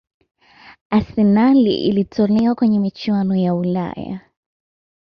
arsenal ilitolewa kwenye michuano ya ulaya